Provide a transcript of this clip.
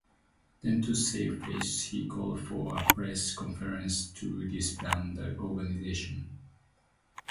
Then to save face he called for a Press Conference to dis-ban the organization.